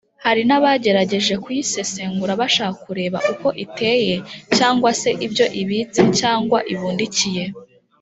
hari n’abagerageje kuyisesengura ,bashaka kureba uko iteye cyangwa se ibyo ibitse cyangwa ibundikiye